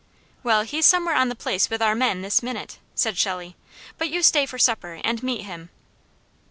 "Well, he's somewhere on the place with our men, this minute," said Shelley, "but you stay for supper, and meet him."